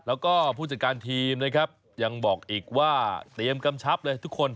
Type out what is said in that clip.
แล้วก็ผู้จัดการทีมนะครับยังบอกอีกว่าเตรียมกำชับเลยทุกคน